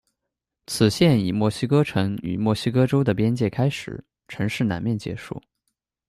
此线以墨西哥城与墨西哥州的边界开始，城市南面结束。